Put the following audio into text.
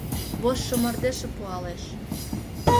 Воштшо мардежше пуалеш.